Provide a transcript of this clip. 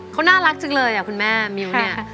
เขาน่ารักจังเลยอ่ะคุณแม่มิ้วเนี่ย